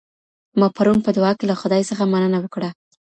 ما پرون په دعا کي له خدای څخه مننه وکړه.